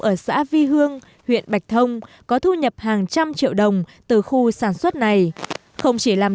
ở xã vi hương huyện bạch thông có thu nhập hàng trăm triệu đồng từ khu sản xuất này không chỉ làm